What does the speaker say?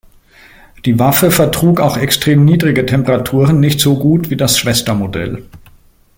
Die Waffe vertrug auch extrem niedrige Temperaturen nicht so gut wie das Schwestermodell.